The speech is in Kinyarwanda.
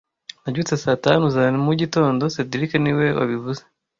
Nabyutse saa tanu za mugitondo cedric niwe wabivuze